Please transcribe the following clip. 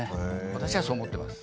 私はそう思ってます